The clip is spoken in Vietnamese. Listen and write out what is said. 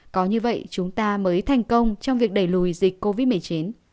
có như vậy chúng ta mới thành công trong việc đẩy lùi dịch covid một mươi chín